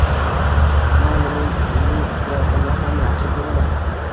Mayli. Men unnng tuprog'ini ham yaxshi ko'raman.